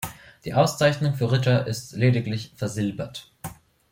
Die Auszeichnung für Ritter ist lediglich versilbert.